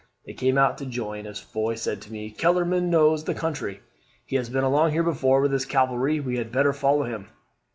They came out to join as Foy said to me, 'Kellerman knows the country: he has been along here before with his cavalry; we had better follow him.'